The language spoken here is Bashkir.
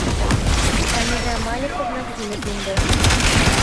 Хәмиҙә Маликовна килеп инде.